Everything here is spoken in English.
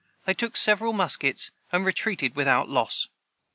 They took several muskets, and retreated without loss.